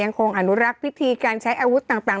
คงอนุรักษ์พิธีการใช้อาวุธต่าง